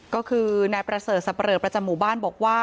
ก็คือนายประเสริฐสับปลอประจำหมู่บ้านบอกว่า